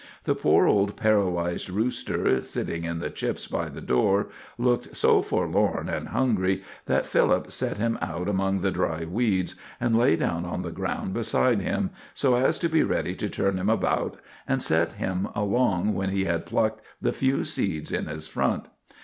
The poor old paralyzed rooster, sitting in the chips by the door, looked so forlorn and hungry that Philip set him out among the dry weeds, and lay down on the ground beside him, so as to be ready to turn him about and set him along when he had plucked the few seeds in his front.